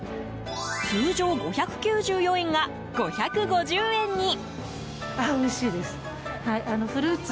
通常５９４円が５５０円に。